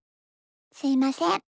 すいません。